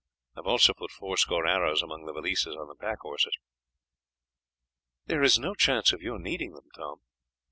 I have also put fourscore arrows among the valises on the pack horses." "There is no chance of your needing them, Tom."